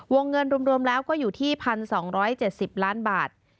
วงเงินรวมแล้วก็อยู่ที่๑๒๗๐ล้านบาท